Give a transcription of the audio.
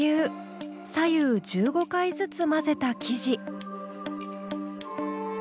左右１５回ずつ混ぜた生地。